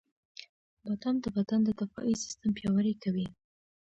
• بادام د بدن د دفاعي سیستم پیاوړی کوي.